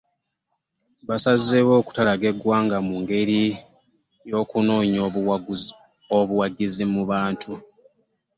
Baasazeewo okutalaaga eggwanga mu ngeri y'okunoonya obuwagizi mu bantu.